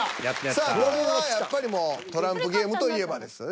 これはやっぱりもうトランプゲームといえばですよね。